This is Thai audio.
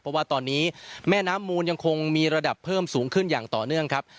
เพราะว่าตอนนี้แม่น้ำมูลยังคงมีระดับเพิ่มสูงขึ้นอย่างต่อเนื่องครับ